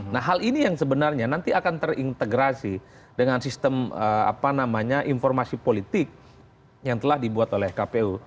nah hal ini yang sebenarnya nanti akan terintegrasi dengan sistem informasi politik yang telah dibuat oleh kpu